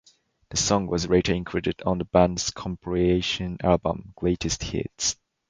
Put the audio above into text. The song was later included on the band's compilation album "Greatest Hits".